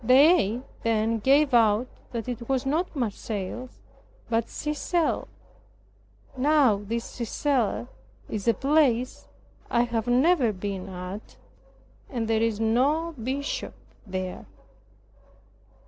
They then gave out that it was not Marseilles but Seisel. Now this Seisel is a place I have never been at, and there is no bishop there.